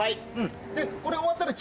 でこれ終わったら。